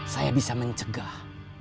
saya bisa mencegah